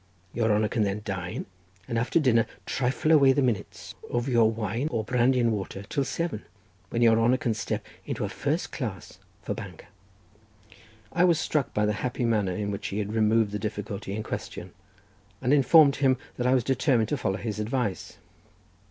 Your honour can then dine, and after dinner trifle away the minutes over your wine or brandy and water till seven, when your honour can step into a first class for Bangor." I was struck with the happy manner in which he had removed the difficulty in question, and informed him that I was determined to follow his advice.